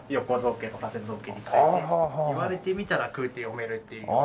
言われてみたら空って読めるっていう。